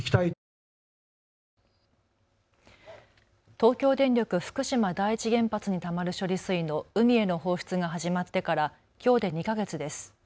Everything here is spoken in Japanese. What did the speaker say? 東京電力福島第一原発にたまる処理水の海への放出が始まってからきょうで２か月です。